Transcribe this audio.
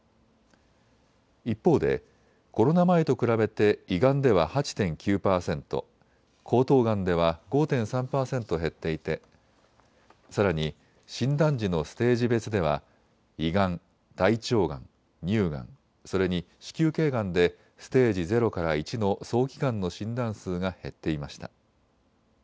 一方でコロナ前と比べて胃がんでは８．９％、喉頭がんでは５．３％減っていてさらに診断時のステージ別では胃がん、大腸がん、乳がん、それに子宮頸がんでステージ０から１の早期がんの診断数が減っていました。